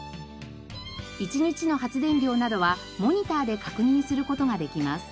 １日の発電量などはモニターで確認する事ができます。